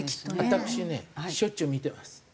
私ねしょっちゅう見てます。